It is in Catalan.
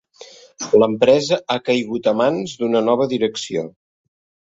L'empresa ha caigut a mans d'una nova direcció.